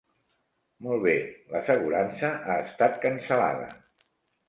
Molt bé, l'assegurança ha estat cancel·lada.